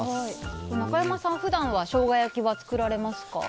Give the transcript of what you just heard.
中山さん、普段はショウガ焼きは作られますか。